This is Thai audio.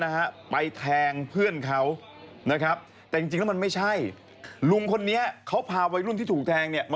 นั่นเดือน๕๐กว่าหรือเปล่าผมว่าไม่ถึง๖๐ถึงไหม